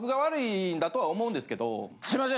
すいません。